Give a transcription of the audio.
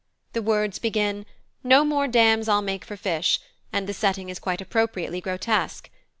The words begin, "No more dams I'll make for fish," and the setting is quite appropriately grotesque.